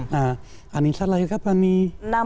nah anissa lahir kapan nih